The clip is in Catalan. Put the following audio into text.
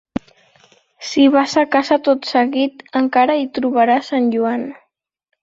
Si vas a casa tot seguit, encara hi trobaràs en Joan.